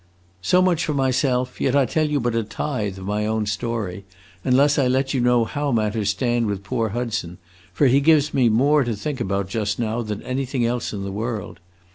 "So much for myself; yet I tell you but a tithe of my own story unless I let you know how matters stand with poor Hudson, for he gives me more to think about just now than anything else in the world.